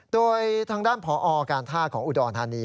โดยทางด้านพอการท่าของอุดรธานี